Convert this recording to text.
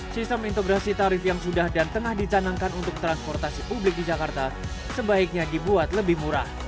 sistem integrasi tarif yang sudah dan tengah dicanangkan untuk transportasi publik di jakarta sebaiknya dibuat lebih murah